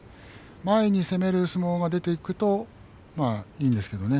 前に出る相撲が出てくるといいんですけどね。